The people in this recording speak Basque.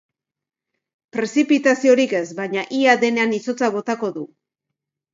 Prezipitaziorik ez, baina ia denean izotza botako du.